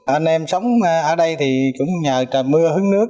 anh em sống ở đây thì cũng nhờ trà mưa hướng nước